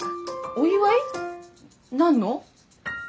お祝い？何の？